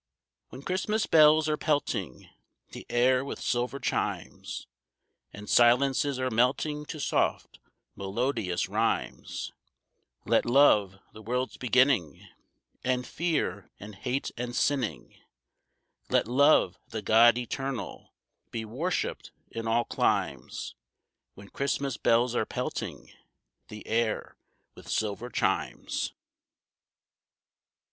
When Christmas bells are pelting the air with silver chimes, And silences are melting to soft, melodious rhymes, Let Love, the world's beginning, End fear and hate and sinning; Let Love, the God Eternal, be worshiped in all climes When Christmas bells are pelting the air with silver chimes.